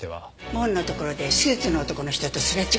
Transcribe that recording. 門のところでスーツの男の人とすれ違ったのよ。